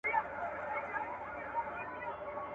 آیا هلمند یوازې د دښتو او کروندو نوم دی؟